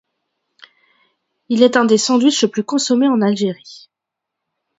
Il est un des sandwichs les plus consommé en Algérie.